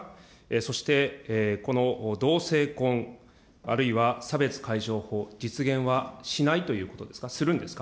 そしてこの同性婚、あるいは差別解消法、実現はしないということですか。